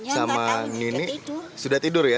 sama nini sudah tidur ya